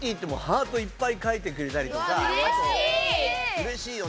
うれしいよね。